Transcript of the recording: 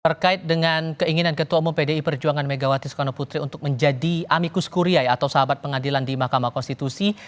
terkait dengan keinginan ketua umum pdi perjuangan megawati soekarno putri untuk menjadi amikus kuria atau sahabat pengadilan di mahkamah konstitusi